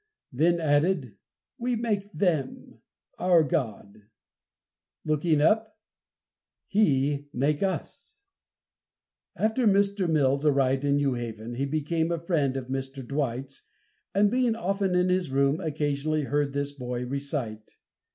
Then added, "We make them. Our God," looking up, "He make us." After Mr. Mills arrived in New Haven he became a friend of Mr. Dwight's, and being often in his room, occasionally heard this boy recite.